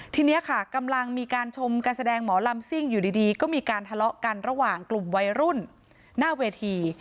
ทีนี้ค่ะกำลังมีการชมการแสดงหมอลำซิ่งอยู่ดีก็มีการทะเลาะกันระหว่างกลุ่มวัยรุ่นหน้าเวที